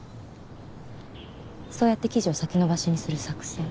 そうやって記事を先延ばしにする作戦？